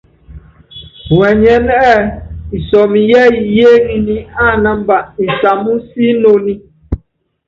Wɛnyɛɛ́nɛ́ ɛ́ɛ́ isɔmɔ yɛ́ɛ́yí yééŋíní ánámba nsamɔ́síinoni.